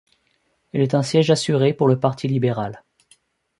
Elle est un siège assuré pour le Parti libéral.